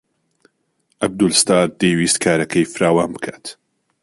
عەبدولستار دەیویست کارەکەی فراوان بکات.